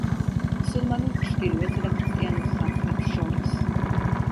მუსულმანურ ჩრდილოეთსა და ქრისტიანულ სამხრეთს შორის.